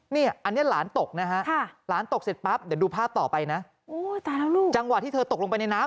นี่อันนี้หลานตกนะฮะหลานตกเสร็จปั๊บเดี๋ยวดูภาพต่อไปนะลูกจังหวะที่เธอตกลงไปในน้ำ